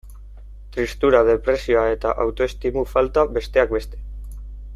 Tristura, depresioa eta autoestimu falta, besteak beste.